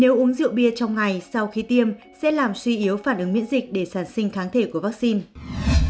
nếu uống rượu bia trong ngày sau khi tiêm sẽ làm suy yếu phản ứng miễn dịch để sản sinh kháng thể của vaccine